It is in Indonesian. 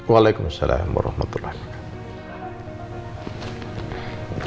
waalaikumsalam warahmatullah wabarakatuh